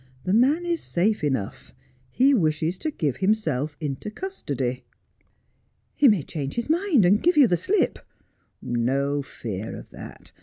The man is safe enough. He wishes to give himself into custody.' ' He may change his mind, and give you the slip.' ' No fear of that.